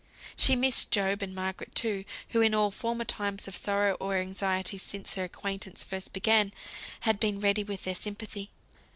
She missed Job and Margaret too; who, in all former times of sorrow or anxiety since their acquaintance first began, had been ready with their sympathy.